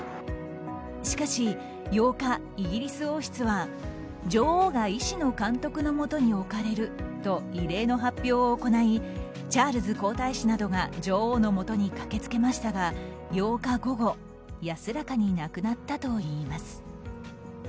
しかし８日、イギリス王室は女王が、医師の監督のもとに置かれると異例の発表を行いチャールズ皇太子などが女王のもとに駆けつけましたが８日午後安らかに亡くなったといいます。